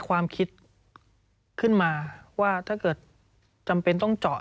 สวัสดีค่ะที่จอมฝันครับ